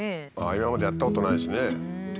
今までやったことないしね。